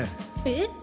えっ？